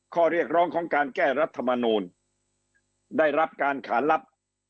ข้อเรียกร้องของการแก้รัฐมนูลได้รับการขานรับ